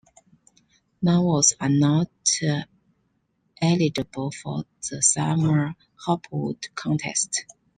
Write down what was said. Novels are not eligible for the Summer Hopwood Contest.